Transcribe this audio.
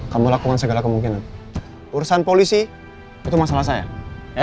kamu lakukan segala kemungkinan urusan polisi itu masalah saya